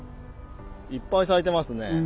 いっぱい咲いてますね。